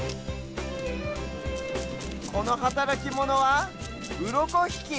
このはたらきモノは「うろこひき」。